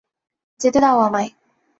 যেতে দাও আমায়।